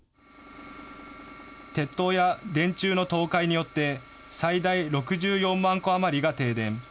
鉄塔や電柱の倒壊によって最大６４万戸余りが停電。